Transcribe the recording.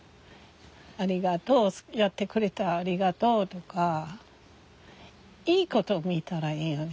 ありがとうやってくれてありがとうとかいいこと見たらいいよね。